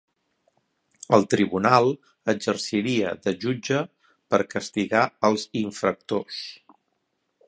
El Tribunal exerciria de jutge per castigar els infractors.